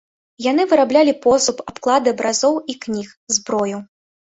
Яны выраблялі посуд, абклады абразоў і кніг, зброю.